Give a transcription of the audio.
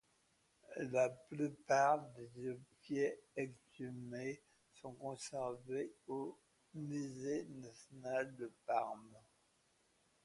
La plupart des objets exhumés sont conservés au musée national de Parme.